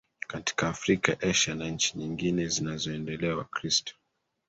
katika Afrika Asia na nchi nyingine zinazoendelea Wakristo